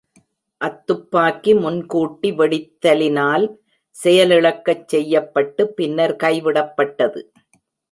அத்துப்பாக்கி முன்கூட்டி வெடித்தலினால் செயலிழக்கச் செய்யப்பட்டு பின்னர் கைவிடப்பட்டது.